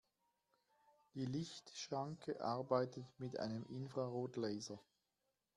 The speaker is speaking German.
Die Lichtschranke arbeitet mit einem Infrarotlaser.